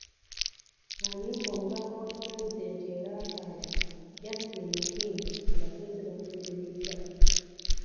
Amyuka omubaka wa Pulezidenti e Rakai, Justine Muhindo abatuuze bamulumirizza.